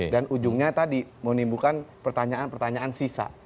dan ujungnya tadi menimbulkan pertanyaan pertanyaan sisa